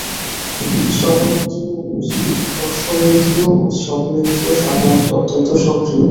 দর্শনেন্দ্রিয় ও শ্রবণেন্দ্রিয় সাধারণত অত্যন্ত সক্রিয়।